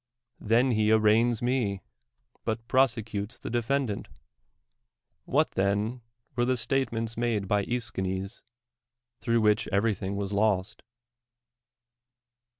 Then he arraigns me. but prosecutes the defendant. What, then, were tho ^jtatements made by 146 DEMOSTHENES .Escliines, through which everything was lost?